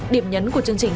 điểm nhấn của chương trình